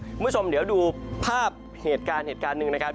คุณผู้ชมเดี๋ยวดูภาพเหตุการณ์เหตุการณ์หนึ่งนะครับ